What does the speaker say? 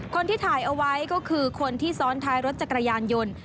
คนที่ถ่ายเอาไว้ก็คือคนที่ซ้อนท้ายรถจักรยานยนต์